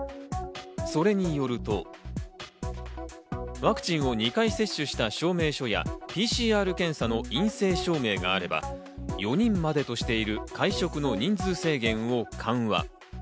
それによるとワクチンを２回接種した証明書やＰＣＲ検査の陰性証明があれば、４人までとしている会食の人数制限を緩和。